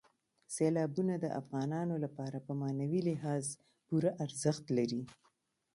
سیلابونه د افغانانو لپاره په معنوي لحاظ پوره ارزښت لري.